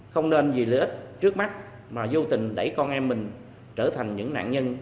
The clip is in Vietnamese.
không nên vì lợi ích trước mắt mà vô tình đẩy con em mình trở thành những nạn nhân